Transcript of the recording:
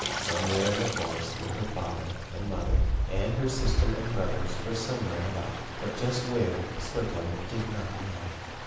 Somewhere in the forest were her father and mother, and her sister and brothers were somewhere about. But just where, Slicko did not know.